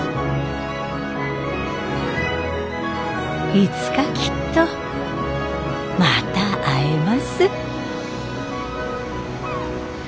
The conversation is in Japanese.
いつかきっとまた会えます。